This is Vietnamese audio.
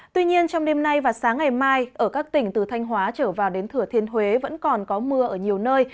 tuy nhiên trong đêm nay và sáng ngày mai ở các tỉnh từ thanh hóa trở vào đến thừa thiên huế vẫn còn có mưa ở nhiều nơi